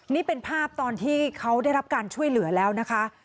นี่เป็นภาพตอนที่เขาได้รับการช่วยเหลือแล้วนะคะ